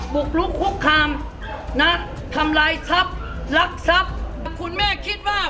บุกลุกคุกคามนะทำลายทรัพย์รักทรัพย์แต่คุณแม่คิดว่า